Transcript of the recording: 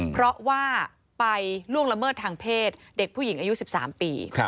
เพราะว่าไปล่วงละเมิดทางเพศเด็กผู้หญิงอายุ๑๓ปี